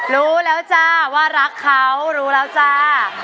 รู้แล้วจ้าว่ารักเขารู้แล้วจ้า